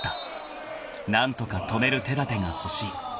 ［何とか止める手だてが欲しい］